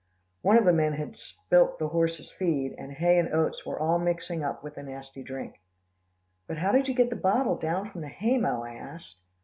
One of the men had spilt the horses' feed, and hay and oats were all mixed up with the nasty drink. "But how did you get the bottle down from the hay mow?" I asked.